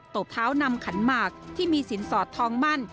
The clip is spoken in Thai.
บเท้านำขันหมากที่มีสินสอดทองมั่น